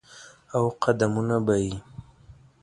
او قدمونه به یې،